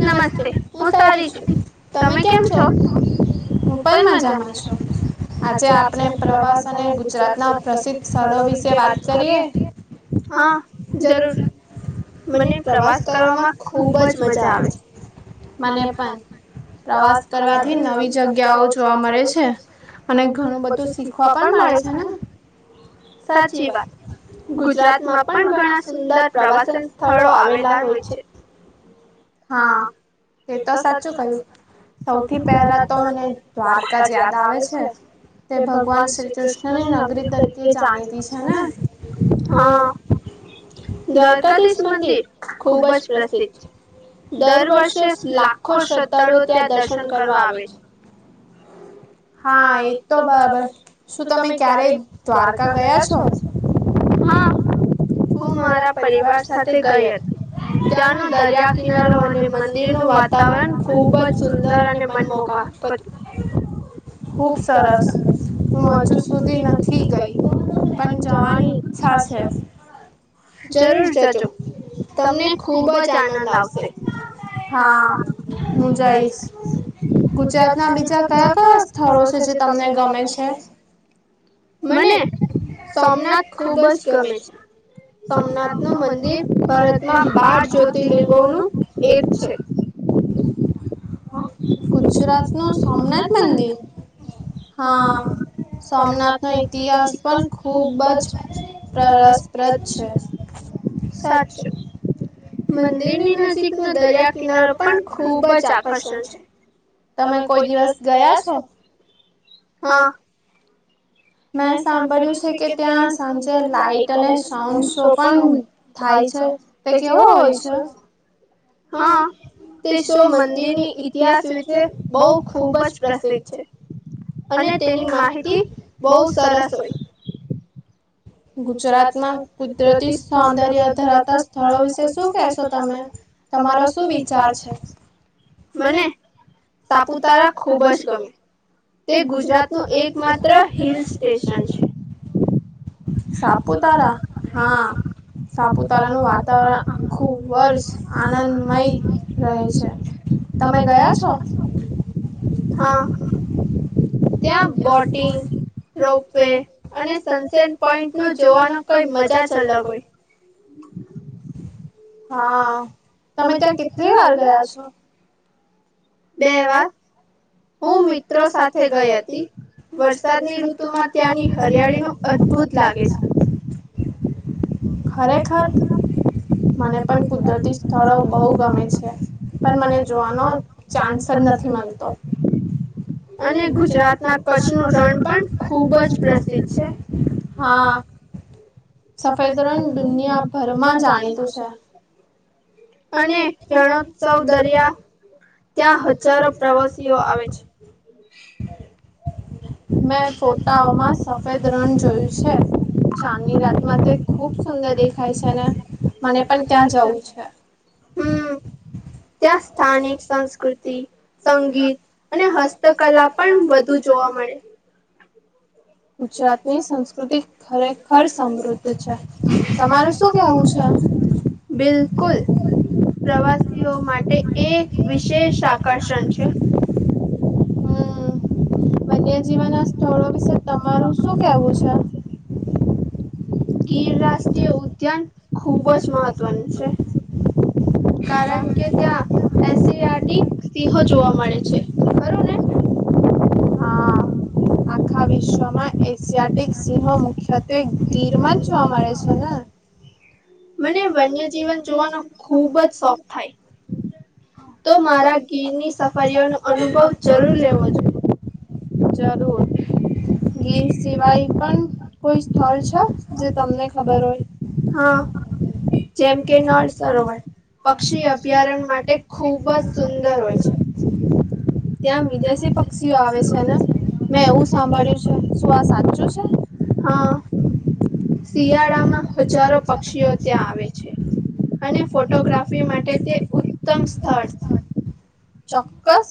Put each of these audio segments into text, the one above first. નમસ્તે હું સારી છુ તમે કેમ છો. હુ, પણ મજામા છુ. આજે આપણે પ્રવાસ અને ગુજરાતના પ્રસિદ્ધ સ્થળો વિશે વાત કરીએ. હા જરૂર મને પ્રવાસ કરવામાં ખુબ જ મજા આવે છે મને પણ પ્રવાસ કરવાથી નવી જગ્યાઓ જોવા મળે છે. અને ઘણું બધું શીખવા પણ મળે છે ને સાચી વાત. ગુજરાતમાં પણ ઘણા સુંદર પ્રવાસન સ્થળો આવેલા હોય છે. હા તે તો સાચું કયું. સૌથી પહેલા તો મને દ્વારકા જ યાદ આવે છે. તે ભગવાન શ્રી કૃષ્ણની નગરી તરીકે જાણીતી છે ને- - હા દ્્વારકાધીશ મંદિર ખુબ જ પ્રસિદ્ધ છે. દર વર્ષે લાખો શ્ર્ધાળુઓ ત્યાં દર્શન કરવા આવે છે. [inaudible] હા એ તો બરાબર શું તમે ક્યારે દ્વારકા ગયા છો? હા હું મારા પરિવાર સાથે ગઈ હતી ત્યાંનું દરિયા- - કિનારો અને મંદિરનું વાતાવરણ ખુબ જ સુંદર અને મનમોગા- - ખુબ સરસ. હું હજુ સુધી નથી ગઈ પણ જવાની ઈચ્છા છે. જરૂર જજો તમને ખૂબ જ આનંદ આવશે. હા હું જઈશ. ગુજરાતના બીજા કયા કયા સ્થળો છે જે તમને ગમે છે? મને સોમનાથ ખુબજ ગમે છે. સોમનાથ નું મંદિર ભારતમાં બાર જ્યોતિર્લિંગોનું એક છે ગુજરાત નું સોમનાથ મંદિર- - હા સોમનાથનો ઇતિહાસ પણ ખૂબ જ પ્રસ સા્ સાચ મંદિરની નજીકનો દરિયા કિનારો પણ ખુબ જ આકર્ષણ છે. તમે કોઈ દિવસ ગયા છો હમ મેં સાંભળ્યું છે કે ત્યાં સાંજે લાાઈટ અને સાઉન્ડ શો પણ થાય છે. તે કેવો હોય છે. હા તે શો મંદિરની ઇતિહાસ વિશે બહ ખુબ જ પ્રસિદ્ધ છે. અને તેની માહિતી બહ સરસ હોય. ગુજરાતમાં કુદરતી સૌંદર્ય ધરાવતા સ્થળો વિશે શું કહેશો તમે તમારો શું વિચાર છે. મને સાપુતારા ખુબ જ ગમે. તે ગુજરાત નું એક માત્ર હિલ સ્ટેશન છે. સાપુતારા હા. સાપુતારાનું વાતાવરણ આખું વર્ષ આનંદમય રહે છે. તમે ગયા છો હા. ત્યાં બોટિંગ રોપવેે અને સનસેટ પોઈન્ટ ન જોવાનો કઈ મજા ચાલ હોઈ. હા તમે ત્યાં કેટલી વાર ગયા છો. બે વાર હું મિત્રો સાથે ગઈ હતી. વરસાદની ઋતુ માં ત્યાંની હરિયાળી નું અદભુત લાગે છે. ખરેખર મને પણ કુદરતી સ્થળો બહુ ગમે છે. પણ મને જોવાનો ચાન્સ જ નથી મળતો. અને ગુજરાતના કચ્છ નું રણ પણ ખુબ જ પ્રસિદ્ધ છે. હા સફાઈદદરણ દુનિયાભરમાં જાણીતું છે. અને રણોત્સવ દરિયા ત્યાં હજારો પ્રવાસીઓ આવે છે. મેં ફોટાઓમાં સફેદ રણ જોયું છે. ચજ ની રાતમાં તે ખુબ સુંદર દેખાય છે અને મને પણ ક્યાં જવું છે. હમ. ત્યાં સ્થાનિક સંસ્કૃતિ સંગીત અને હસ્તકલા પણ વધુ જોવા મળે ગુજરાતની સંસ્કૃતિ ખરેખર સમૃદ્ધ છે તમાર શું કેવું છે. બિલકુલ પ્રવાસીઓ માટે એ વિશેષ આકર્ષણ છે. વન્ય જીવન ના સ્થળો વિશે તમારું શું કેવુ છે. ગીર રાષ્ટ્રીય ઉદ્યાન ખૂબ જ મહત્વનું છે. કારણ કે ત્યાં એસિયાટિક સીહો જોવા મળે છે ખરું ને હા આખા વિશ્વમાં એશિયાટિક સિંહો મુખ્યત્વે ગીરમન જોવા મળે છે ને મને વન્ય જીવન જોવાનો ખુબ જ શોખ થાય. તો મારા ઘીરની સફારીઓનોો અનુભવ જરૂર લેવો જો જરૂર ગીર સિવાય કોણ કોઈ સ્થળ છે. જે તમને ખબર હોય. હા જેમ કે નળ સરોવર પક્ષી અભયારણ્ય માટે ખુબ જ સુંદર હોય છે, ત્યાં વિદેશી પક્ષીઓ આવે છેને મેં એવું સાંભળ્યું છે શું આ સાચું છે, હ શિયાળામાં હજારો પક્ષીઓ ત્યાં આવે છે. અને ફોટોગ્રાફી માટે તે ઉમ સ્થળ ચોક્કસ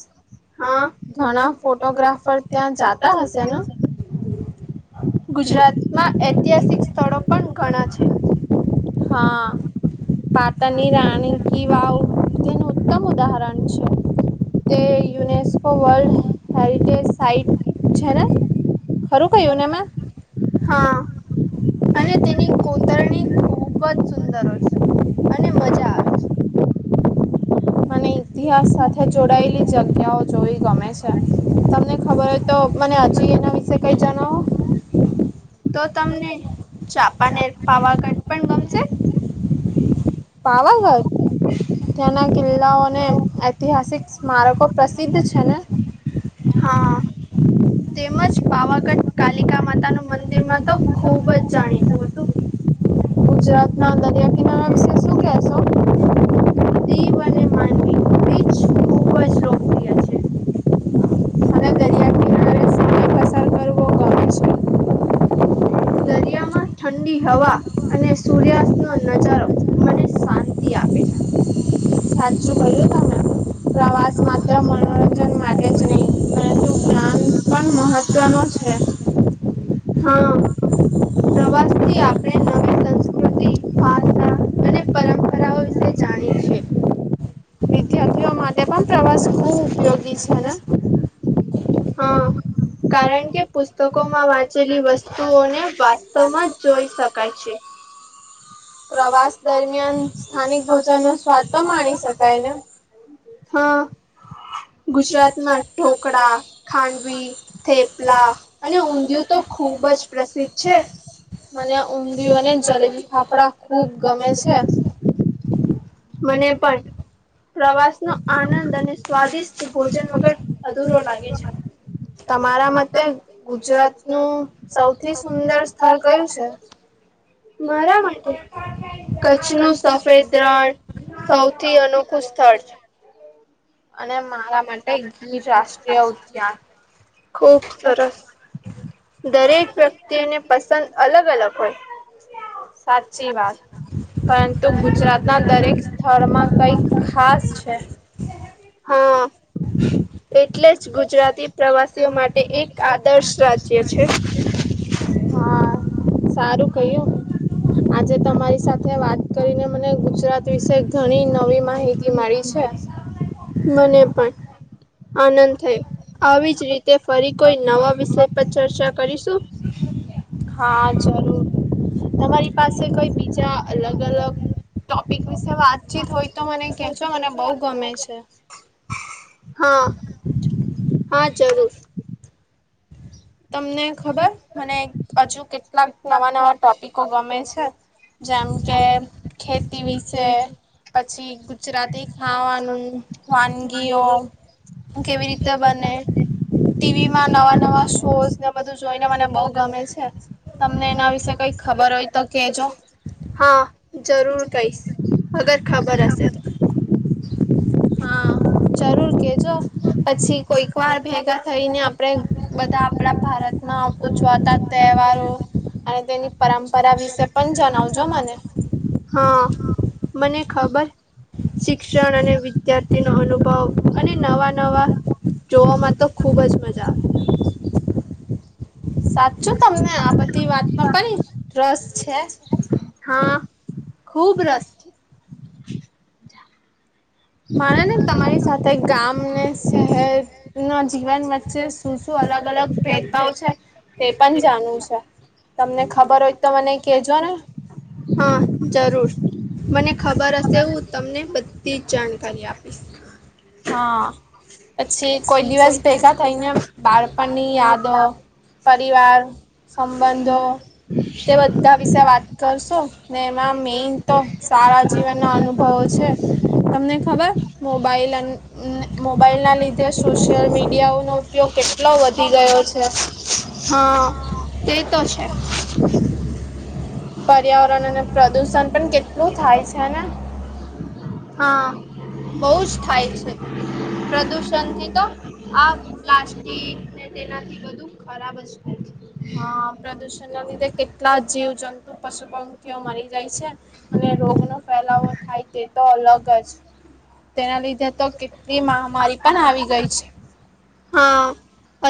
હા ઘણા ફ ફોટોગ્રાફર ત્યાં જાતા હશે ને ગુજરાતમાં ઐતિહાસિક સ્થળો પણ ઘણા છે. હા પાતાની રાણીકી વાવ તેનું ઉત્તમ ઉદાહરણ છે. તે યુનેસ્કો વર્લ્ડ [unintelligible] હા. અને તેની કોતરણી ખુબ જ સુંદર હોય છે અને મજા આવે છે. મને ઈતિહાસ સાથે જોડાયેલી જગ્યાઓ જોવી ગમે છે. તમને ખબર હોય તો મને હજી એના વિશે કઈ જણાવો. તો તમને ચાપાનેર પાવાગડ પણ ગમેશે પાવાગડ ત્યાંના કિલ્લાઓને ઐતિહાસિક સ્મારકો પ્રસિદ્ધ છેને. હા. તેમજ પાવાગઢ કાલિકા માતાનુ મંદિરમા તો ખુબ જ જાણીતુ હતુ. ગુજરાતના દરિયાકિનારા વિશે શું કહેશો [unintelligible] અને દરિયા કિનારે સમય પસાર કરવો ગમે છે. દરિયામાં ઠંડી હવા અને સૂર્યાસ્ત નો નજારો મને શાંત આપે છે. સાચું કહ્યું તમે પ્રવાસ માત્ર મનોરંજન માટે જ નહીં પરંતુ જ્ઞાન પણ મહત્વનો છે. [inaudible] હા પ્રવાસથી આપણે નવી સંસ્કૃતિ, ભાષા અને પરંપરાઓ વિશે જાણીએ છે. વિદ્યાર્થીઓ માટે પણ પ્રવાસ ખુબ ઉપયોગી છેને. હ. કારણ કે પુસ્તકોમાં વાંચેલી વસ્તુઓને વાસ્તવમા જોઈ શકાય છે. [inaudible] પ્રવાસ દરમિયાન સ્થાનિક ભોજનનો સ્વાદ પણ માણી શકાય ને હ ગુજરાતના ઢોકળા ખાંડવી, થેપલા અને ઊંધિયું તો ખૂબ જ પ્રસિદ્ધ છે. મને ઊંધિયું અને જલેબી ફાફડા ખૂબ ગમે છે. મને પણ. પ્રવાસનો આનંદ એ સ્વાદિષ્ટ ભોજન વગર અધૂરો લાગે છે. તમારા મતે ગુજરાતનું સૌથી સુંદર સ્થળ કયું છે? મારા માતે કચ્છ નો સફેદરણ. સૌથી અનોખું સ્થળ છે. અને મારા માટે ગીર રાષ્ટ્રીય ઉદ્યાન. ખૂબ સરસ. દરેક વ્યક્તિની પસંદ અલગ અલગ હોય. સાચી વાત. પરંતુ ગુજરાતના દરેક સ્થળમાં કઈક ખાસ છે. હા એટલે જ ગુજરાતી પ્રવાસ સીઓ માટે એક આદર્શ રાજ્ય છે. હા. સારું કહ્યું. આજે તમારી સાથે વાત કરીને મને ગુજરાત વિશે ઘણી નવી માહિતી મળી છે. મને પણ આનંદ થયો આવીજ રી ફરી કોઈ નવા વિષય પર ચર્ચા કરીશું? હા જરૂર. તમારી પાસે કોઈ બીજા અલગ અલગ ટોપિક વિશે વાતચીત હોય તો મને કેજો મને બોઉ ગમે છે. હા હા જરૂર. તમને ખબર મને હજુ કેટલાક નવા નવા ટોપિકો ગમે છે? જેમ કે ખેતી વિશે પછી ગુજરાતી ખાવાનું વાનગીઓ કેવી રીતે બને ટીવીમાં નવા નવા ને બધું જોઈને મને બઉુ ગમે છે તમને એના વિશે કઈક ખબર હોય તો કેજો. હા જરૂર કઈશ અગર ખબર હશે તો હા જરૂર કેજો પછી કોઈક વાર ભેગા થઈને આપડે બધા આપણા ભારતના ઉજવાતા તહેવારો અને તેની પરંપરા વિશે પણ જણાવજો મને હા મને ખબર શિક્ષણ અને વિદ્યાર્થી ન અનુભવ અને નવા નવા જોવામાં તો ખુબ જ મજા આવે સાચું તમને આ બધી વાત કરી રસ છે. હા ખૂબ રસ મારે ને તમારી સાથે ગામ ને શહેર ન જીવન વચ્ચે શું શું અલગ અલગ ભેદભાવ છે તે પણ જાણવું છે? તમને ખબર હોય તો મને કેજો ને. હા જરૂર મને ખબર હશે હું તમને બધી જ જાણ કારી આપીશ હા. પછી કોઈ દિવસ ભેગા થઈ ને બાળપણ ની યાદો પરિવાર સંબંધો તે બધા વિશે વાત કરશું ને એમાં મેન તો સારા જીવનનો અનુ ભવ છે. ખબરબાઈલ નાબાઈલ ના લનીધ શું શ છ ઉપયોગ કેટલો વધી ગયો છે હા એ તો છે. પર્યાવરણ અને પ્રદુષણ પણ કેટલું થાય છેને. હા બહુ જ થાય છે પ્રદુષણ થી તો આ પ્લાસ્ટિકને તેનાથી બધું ખરાબ જ. હા, પ્રદૂષણ ના લીધે કેટલા જીવજંતુ, પશુ-પંખીઓ મરી ગઈ છે. અને રોગ નો ફેલાવો થાય, તે તો અલગ જ તેના લીધે કેટલી મહામારી પણ આવી ગઈ છે. હા,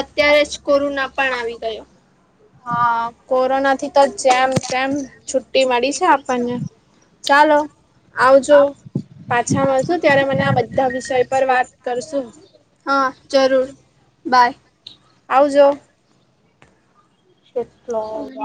અત્યારે જ કુરુ ના પણ આવી ગયો. હા, કોરોના થી તો જેમ જેમ છુટી મળી છે આપણને. ચાલો આવજો. પાછા મળશું ત્યારે મને આ બધા વિષય પર વાત કરશું. હા, જરૂર. બાય. આવજો. શ [unintelligible]